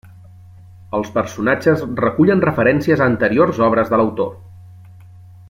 Els personatges recullen referències a anteriors obres de l'autor.